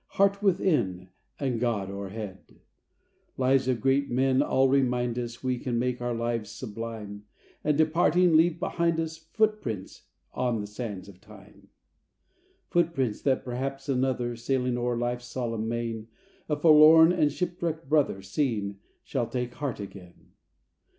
Heart within, and God o'erhead ! A PSALM OF LIFE. Lives of great men all remind us We can make our lives sublime, And, departing, leave behind us Footsteps on the sands of time ; Footsteps, that perhaps another, Sailing o'er life's solemn main, A forlorn and shipwrecked brother, Seeing, shall take heart again.